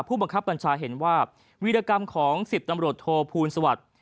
ผู้บังคับบัญชาเห็นว่าวิรกรรมของ๑๐ตำรวจโทภูลสวัสดิ์